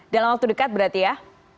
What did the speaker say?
dalam waktu dekat berarti ya